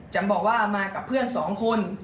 บอกว่ามากับเพื่อนสองคน